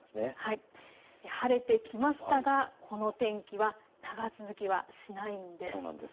晴れてきましたがこの天気は長続きはしないんです。